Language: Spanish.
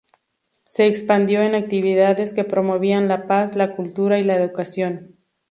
Se expandió en actividades que promovían la paz, la cultura y la educación.